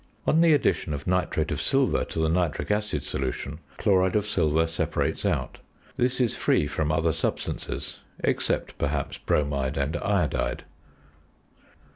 On the addition of nitrate of silver to the nitric acid solution, chloride of silver separates out. This is free from other substances, except, perhaps, bromide and iodide.